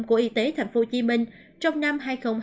của y tế tp hcm trong năm hai nghìn hai mươi